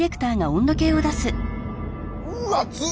うわ暑っ！